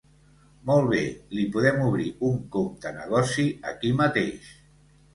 Molt bé, li podem obrir un compte negoci aquí mateix.